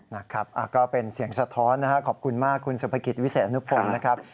นะครับก็เป็นเสียงสะท้อนนะครับขอบคุณมากคุณสุภกิจวิเศษอนุพงศ์นะครับ